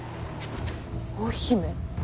大姫。